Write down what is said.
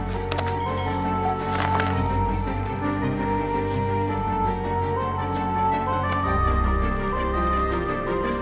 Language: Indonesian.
saya sudah berjalan tempat ini